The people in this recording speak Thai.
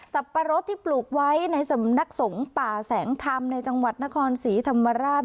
ปะรดที่ปลูกไว้ในสำนักสงฆ์ป่าแสงธรรมในจังหวัดนครศรีธรรมราช